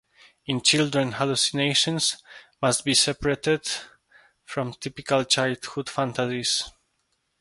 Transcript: In children hallucinations must be separated from typical childhood fantasies.